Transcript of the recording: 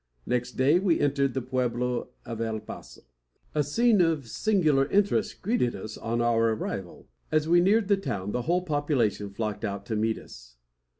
Next day we entered the pueblo of El Paso. A scene of singular interest greeted us on our arrival. As we neared the town, the whole population flocked out to meet us.